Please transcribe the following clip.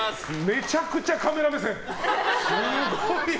めちゃくちゃカメラ目線！